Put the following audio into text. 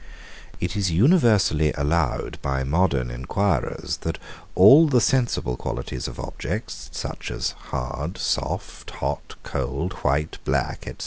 It is universally allowed by modern enquirers, that all the sensible qualities of objects, such as hard, soft, hot, cold, white, black, &c.